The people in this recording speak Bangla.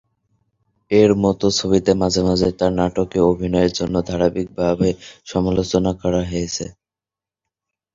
এর মতো ছবিতে মাঝে মাঝে তাঁর নাটকীয় অভিনয়ের জন্য ধারাবাহিকভাবে সমালোচনা করা হয়েছে।